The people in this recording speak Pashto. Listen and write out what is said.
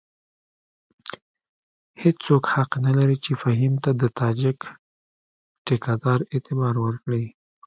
هېڅوک حق نه لري چې فهیم ته د تاجک ټیکه دار اعتبار ورکړي.